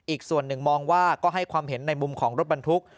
อีกส่วนหนึ่งมองว่าก็ให้ความเห็นในมุมของรถบรรทุก